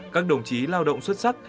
các đồng chí lao động xuất sắc